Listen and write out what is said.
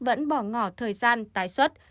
vẫn bỏ ngỏ thời gian tái xuất